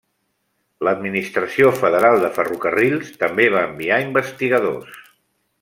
L'Administració Federal de Ferrocarrils també va enviar investigadors.